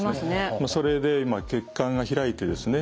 それで今血管が開いてですね